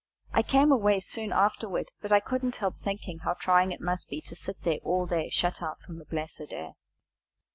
I come away soon afterward; but I couldn't help thinking how trying it must be to sit there all day, shut out from the blessed air!"